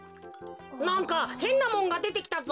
なんかへんなもんがでてきたぞ。